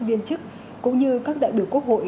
viên chức cũng như các đại biểu quốc hội